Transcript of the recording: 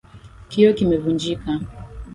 Kioo kimefunjika.